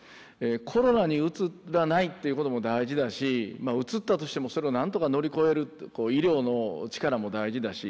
コロナにうつらないっていうことも大事だしうつったとしてもそれを何とか乗り越える医療の力も大事だし。